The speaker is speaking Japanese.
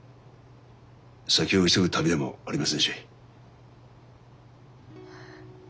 先を急ぐ旅でもありませんし。